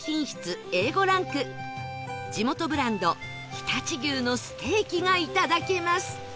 ランク地元ブランド常陸牛のステーキが頂けます